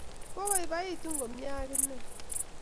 Ko baibaitu komie ak inne